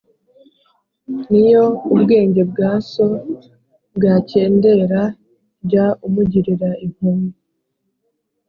N’iyo ubwenge bwa so bwakendera, jya umugirira impuhwe,